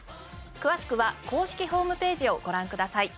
詳しくは公式ホームページをご覧ください。